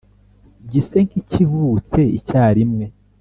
gise nk`ikivutse icyarimwe